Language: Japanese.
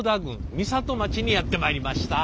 美里町にやって参りました。